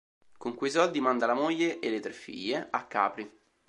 Con quei soldi manda la moglie e le tre figlie a Capri.